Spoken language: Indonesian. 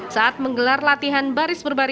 saat menggelar latihan baris minibus berpengalaman